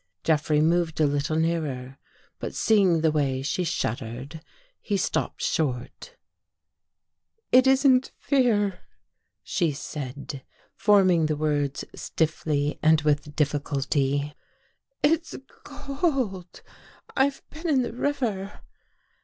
Jeffrey moved a little nearer. But seeing the way she shuddered, he stopped short. " It isn't — fear," she said, forming the words stiffly and with difficulty. " It's cold. I've been in the river."